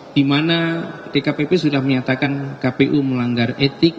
di mana dkpp sudah menyatakan kpu melanggar etik